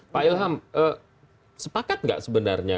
pak ilham sepakat nggak sebenarnya